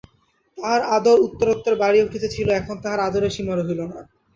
তাহার আদর উত্তরোত্তর বাড়িয়া উঠিতেছিল, এখন তাহার আদরের সীমা রহিল না।